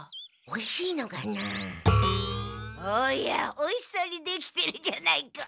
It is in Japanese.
おやおいしそうにできてるじゃないか。